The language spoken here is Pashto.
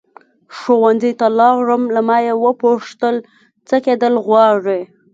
ښوونځي ته لاړم له ما یې وپوښتل څه کېدل غواړې.